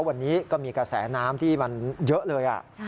วันนี้ก็มีกระแสน้ำที่มันเยอะเลย